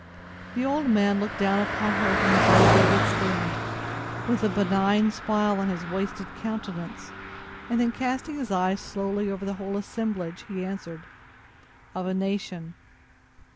The old man looked down upon her from his elevated stand, with a benignant smile on his wasted countenance, and then casting his eyes slowly over the whole assemblage, he answered: "Of a nation."